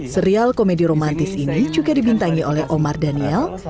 serial komedi romantis ini juga dibintangi oleh omar daniel